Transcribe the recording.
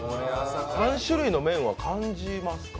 ３種類の麺は感じますか？